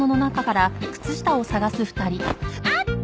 あった！